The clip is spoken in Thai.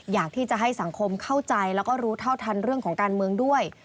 อยากที่จะให้สังคมเข้าใจแล้วก็รู้เท่าทันเรื่องของการเมืองด้วย